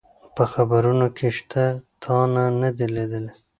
په خبرونو کي شته، تا نه دي لیدلي؟